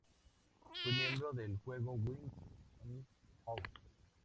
Fue miembro del juego "Wild 'n Out".